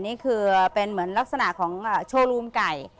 นี่คือเป็นเหมือนลักษณะของโชว์รูมไก่